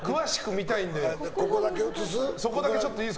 ここだけ映す？